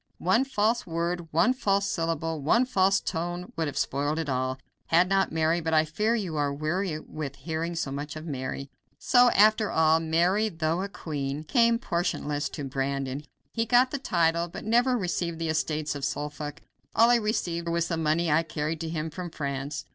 One false word, one false syllable, one false tone would have spoiled it all, had not Mary but I fear you are weary with hearing so much of Mary. So after all, Mary, though a queen, came portionless to Brandon. He got the title, but never received the estates of Suffolk; all he received with her was the money I carried to him from France.